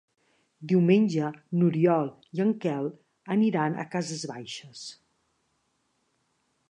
Diumenge n'Oriol i en Quel aniran a Cases Baixes.